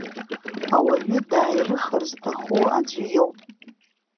Ауаҩы дааирыхыр зҭаху аӡәы иоуп.